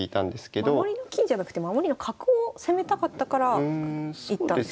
守りの金じゃなくて守りの角を攻めたかったから行ったんですね。